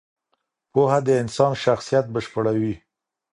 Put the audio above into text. پوهه د انسان شخصیت بشپړوي.